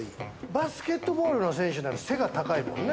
バスケットボールの選手なら背が高いもんね。